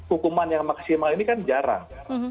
hukuman yang maksimal ini kan jarang